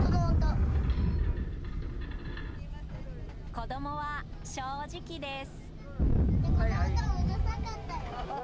子供は正直です。